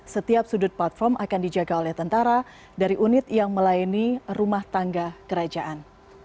setiap sudut platform akan dijaga oleh tentara dari unit yang melayani rumah tangga kerajaan